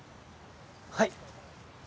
はい。